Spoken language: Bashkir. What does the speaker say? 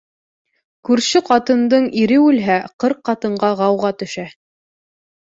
Күрше ҡатындың ире үлһә, ҡырҡ ҡатынға ғауға төшә.